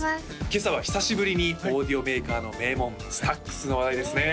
今朝は久しぶりにオーディオメーカーの名門ＳＴＡＸの話題ですね